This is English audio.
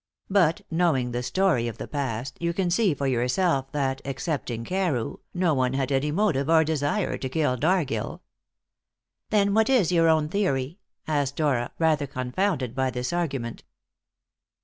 But, knowing the story of the past, you can see for yourself that, excepting Carew, no one had any motive or desire to kill Dargill." "Then what is your own theory?" asked Dora, rather confounded by this argument.